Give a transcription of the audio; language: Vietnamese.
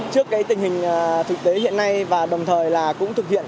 trước cái tình hình thực tế hiện nay và đồng thời là cũng thực hiện